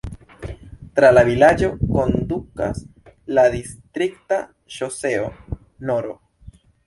Tra la vilaĝo kondukas la distrikta ŝoseo nr.